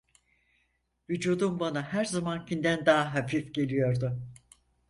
Vücudum bana her zamankinden daha hafif geliyordu.